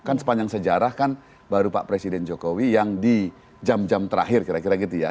kan sepanjang sejarah kan baru pak presiden jokowi yang di jam jam terakhir kira kira gitu ya